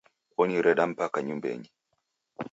Onireda mpaka nyumbenyi